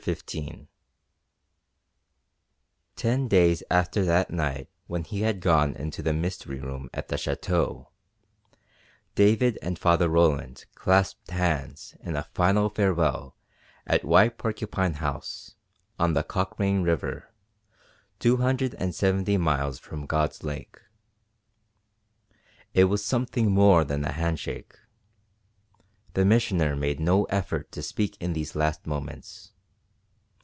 CHAPTER XV Ten days after that night when he had gone into the mystery room at the Château, David and Father Roland clasped hands in a final farewell at White Porcupine House, on the Cochrane River, 270 miles from God's Lake. It was something more than a hand shake. The Missioner made no effort to speak in these last moments.